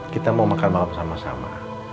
kita mau makan malam sama sama